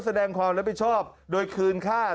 แสดงความรับผิดชอบโดยคืนค่า